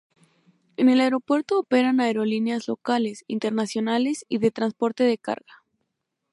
En el aeropuerto operan aerolíneas locales, internacionales y de transporte de carga.